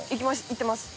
いってます。